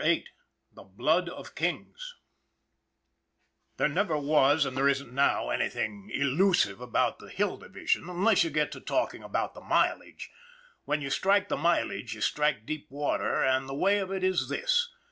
VIII THE BLOOD OF KINGS THERE never was, and there isn't now, anything elusive about the Hill Division, unless you get to talk ing about the mileage when you strike the mileage you strike deep water, and the way of it is this.